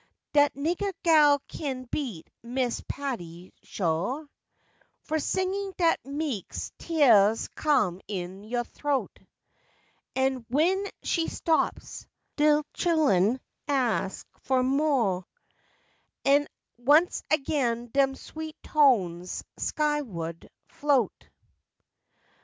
Dat niggah gal kin beat Miss Patti, sho\ Fo' singin' dat meks teahs come in yo' throat, An' w'en she stops, de chillun ax fo' mo', An' once again dem sweet tones sky wa'd float.